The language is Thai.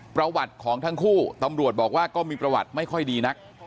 ประวัติของทั้งคู่ตำรวจบอกว่าก็มีประวัติไม่ค่อยดีนัก